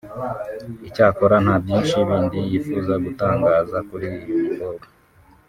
Icyakora nta byinshi bindi yifuje gutangaza kuri uyu mukowa